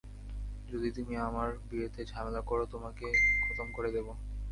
যদি তুমি আমার বিয়েতে ঝামেলা করো, তোমাকে খতম করে দেব।